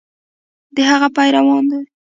د هغه پیروان دي.